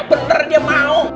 bener dia mau